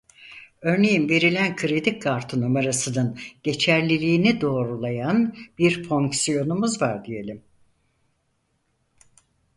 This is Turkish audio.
Örneğin verilen kredi kartı numarasının geçerliliğini doğrulayan bir fonksiyonumuz var diyelim.